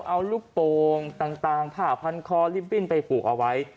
เอาลูกโปรงต่างผ้าพันธุ์คลอไปฝูกเอาไว้